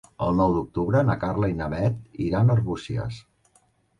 El nou d'octubre na Carla i na Bet iran a Arbúcies.